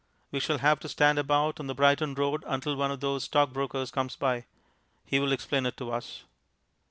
We shall have to stand about on the Brighton road until one of those stockbrokers comes by. He will explain it to us.